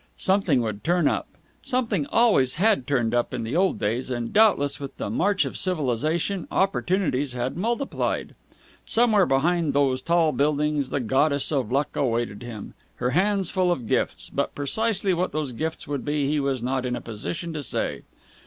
Something would turn up. Something always had turned up in the old days, and doubtless, with the march of civilization, opportunities had multiplied. Somewhere behind those tall buildings the Goddess of Luck awaited him, her hands full of gifts, but precisely what those gifts would be he was not in a position to say.